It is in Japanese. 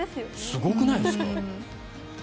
すごくないですか。